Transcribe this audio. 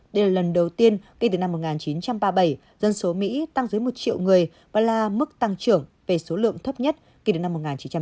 đây là lần đầu tiên kể từ năm một nghìn chín trăm ba mươi bảy dân số mỹ tăng dưới một triệu người và là mức tăng trưởng về số lượng thấp nhất kể từ năm một nghìn chín trăm tám mươi